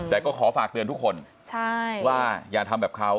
แต่ก็ขอฝากเตือนทุกคนว่าอย่าทำแบบเขา